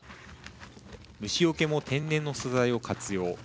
虫よけも天然の素材を活用。